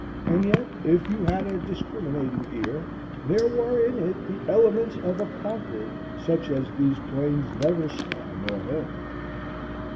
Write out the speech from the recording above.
And yet, if you had a discriminating ear, there were in it the elements of a concord such as these plains never saw nor heard.